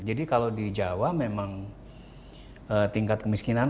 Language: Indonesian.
jadi kalau di jawa memang tingkat kemiskinan